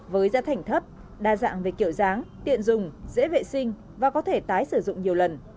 với giá thành thấp đa dạng về kiểu dáng tiện dùng dễ vệ sinh và có thể tái sử dụng nhiều lần